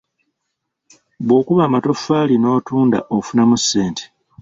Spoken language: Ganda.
Bw'okuba amatoffaali n’otunda ofunamu ssente.